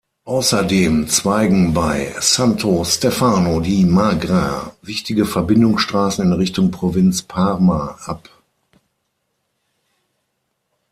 Außerdem zweigen bei Santo Stefano di Magra wichtige Verbindungsstraßen in Richtung Provinz Parma ab.